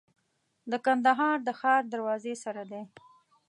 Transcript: د کندهار د ښار دروازې سره دی.